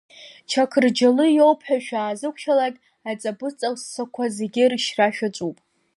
Чақырџьалы иоуп ҳәа шәаазықәшәалак аҵабыҵассақәа зегьы рышьра шәаҿуп.